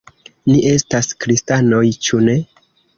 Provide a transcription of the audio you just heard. Ni estas kristanoj, ĉu ne?